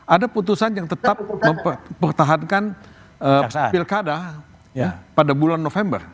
ada putusan yang tetap mempertahankan pilkada pada bulan november